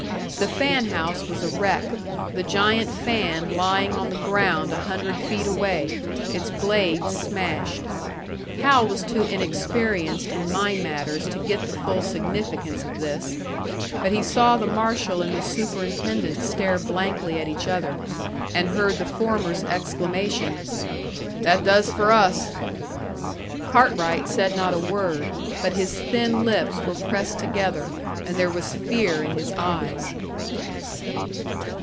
The fan house was a wreck, the giant fan lying on the ground a hundred feet away, its blades smashed. Hal was too inexperienced in mine matters to get the full significance of this; but he saw the marshal and the superintendent stare blankly at each other, and heard the former's exclamation, "That does for us!" Cartwright said not a word; but his thin lips were pressed together, and there was fear in his eyes.